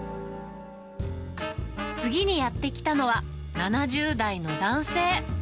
次にやって来たのは、７０代の男性。